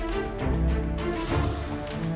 aku akan mencari cherry